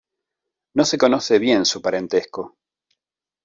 No se conoce bien su parentesco.